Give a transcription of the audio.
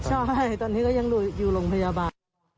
ใช่ตอนนี้ก็ยังอยู่โรงพยาบาล